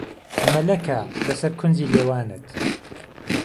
مهلهکه له سهر کونجی لێوانت